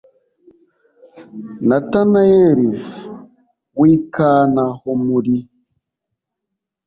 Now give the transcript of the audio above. natanayelif w i kana ho muri